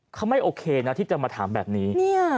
เขาไม่โอเคนะที่จะมาถามแบบนี้